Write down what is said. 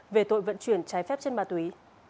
về tội vận chuyển trái phép trên bà túy